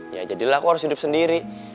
ya jadilah aku harus hidup sendiri